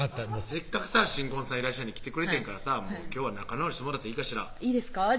せっかくさ新婚さんいらっしゃい！に来てくれてん今日は仲直りしてもらっていいかしらいいですか？